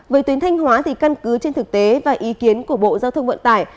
với tuyến thanh hóa thì căn cứ trên thực tế và ý kiến của bộ giao thông vận tải